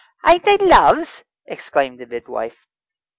"Ain't they loves!" exclaimed the midwife.